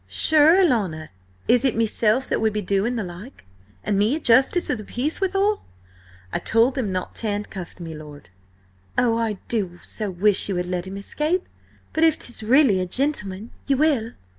"Sure, alanna, is it meself that would be doing the like? And me a Justice of the Peace withal? I told them not to handcuff me lord." "Oh, I do so wish you had let him escape! But if 'tis really a gentleman, you will?"